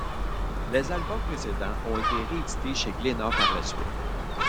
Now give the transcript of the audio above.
Les albums précédents ont été réédités chez Glénat par la suite.